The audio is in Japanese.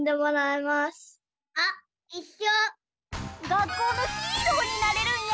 がっこうのヒーローになれるんや！